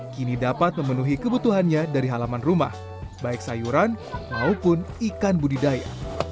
kini dapat memenuhi kebutuhannya dari halaman rumah baik sayuran maupun ikan budidaya